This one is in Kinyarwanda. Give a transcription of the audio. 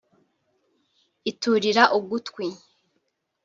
iturira ugutwi